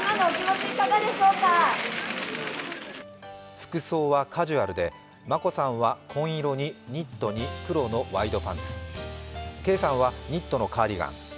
服装はカジュアルで眞子さんは紺色にニットに黒のワイドパンツ、圭さんはニットのカーディガン。